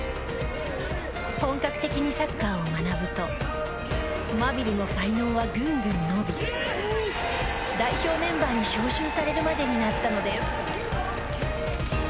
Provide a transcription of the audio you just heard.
本格的にサッカーを学ぶとマビルの才能はぐんぐん伸び代表メンバーに招集されるまでになったのです。